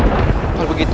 lari ke bukit itu